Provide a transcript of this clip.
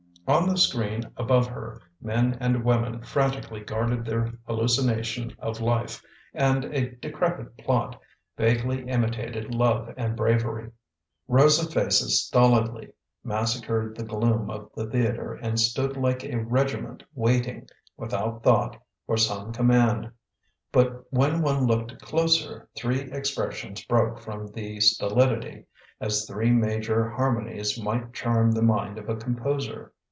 On the screen above her men and women frantically guarded their hallucination of life and a de crepit plot vaguely imitated love and bravery. Rows of faces stolidly massacred the gloom of the theater and stood like a regiment waiting, without thought, for some command. But when one looked closer three expressions broke from the stolidity, as three major harmonies might charm the mind of a composer.